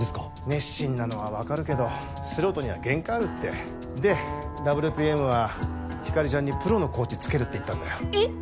熱心なのは分かるけど素人には限界あるってでＷＰＭはひかりちゃんにプロのコーチつけるって言ったんだよえっ！